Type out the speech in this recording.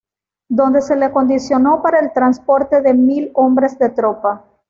Donde se le acondicionó para el transporte de mil hombres de tropa.